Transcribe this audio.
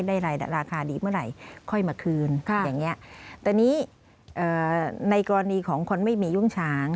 ได้หลายราคาดีเมื่อไหร่ค่อยมาคืนอย่างนี้ตอนนี้ในกรณีของคนไม่มีแย่ง